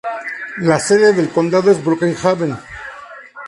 La sede del condado es Brookhaven.